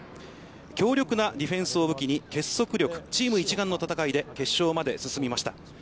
強力なディフェンスを武器に結束力、チーム一丸の戦いで決勝まで進みました。